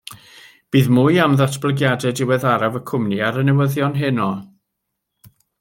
Bydd mwy am ddatblygiadau diweddaraf y cwmni ar y newyddion heno.